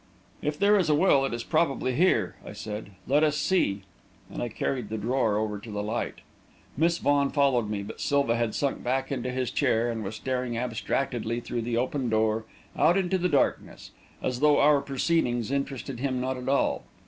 "If there is a will, it is probably here," I said; "let us see," and I carried the drawer over to the light. Miss Vaughan followed me, but Silva had sunk back into his chair, and was staring abstractedly through the open door out into the darkness, as though our proceedings interested him not at all.